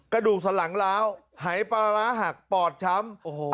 กระดูกสลังล้าวหายปลาร้าหักปอดช้ำ